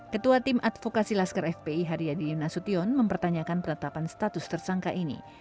ketua tim advokasi laskar fpi haryadin nasution mempertanyakan penetapan status tersangka ini